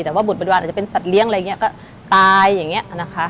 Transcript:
แต่ว่าบุตรบริวารอาจจะเป็นสัตว์เลี้ยงอะไรอย่างนี้ก็ตายอย่างนี้นะคะ